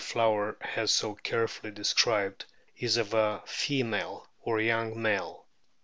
Flower has so carefully described is of a female or a young male.